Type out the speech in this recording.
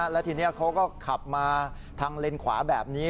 แล้วทีนี้เขาก็ขับมาทางเลนขวาแบบนี้